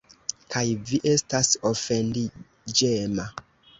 Kaj vi estas ofendiĝema.